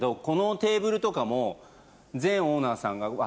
このテーブルとかも前オーナーさんが。